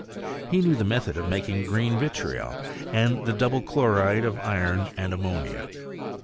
He knew the method of making green vitriol, and the double chloride of iron and ammonia.